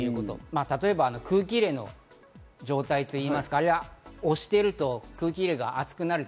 例えば空気入れの状態といいますか、押していると空気入れが熱くなる。